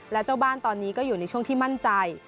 และเจ้าบ้านตอนนี้ก็อยู่ในช่วงที่มั่นใจ